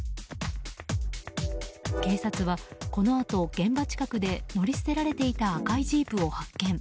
警察はこのあと、現場近くで乗り捨てられていた赤いジープを発見。